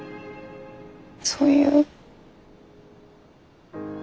そういう。